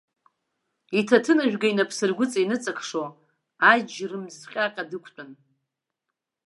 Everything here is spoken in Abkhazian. Иҭаҭынжәга инапсыргәыҵа иныҵакшо, аџьтә рымӡ ҟьаҟьа дықәтәан.